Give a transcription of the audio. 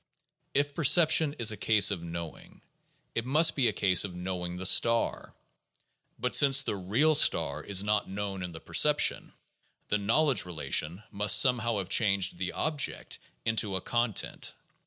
If perception is a case of knowing, it must be a case of knowing the star ; but since the "real" star is not known in the perception, the knowledge relation must somehow have changed the "object" into a "content."